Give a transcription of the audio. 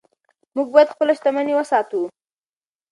موږ باید خپله شتمني وساتو.